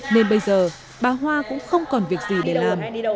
nên bây giờ bà hoa cũng không còn việc gì để làm